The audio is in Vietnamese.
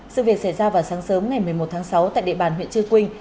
sự việc xảy ra vào sáng sớm ngày một mươi một tháng sáu tại địa bàn huyện chư quynh